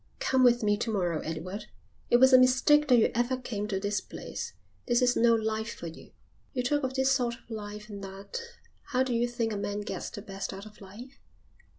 "Come with me to morrow, Edward. It was a mistake that you ever came to this place. This is no life for you." "You talk of this sort of life and that. How do you think a man gets the best out of life?"